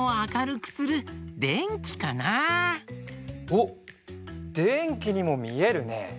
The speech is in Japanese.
おっでんきにもみえるね。